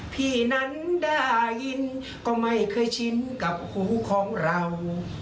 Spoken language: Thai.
พี่นั้นได้ยินก็ไม่เคยชินกับหูของเรา